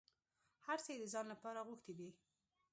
هر څه یې د ځان لپاره غوښتي دي.